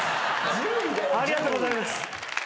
ありがとうございます。